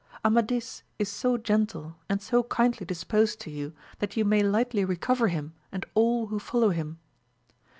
Amadig is so gentle and so kindly disposed to you, that you znay lightly recover him and all who follow him.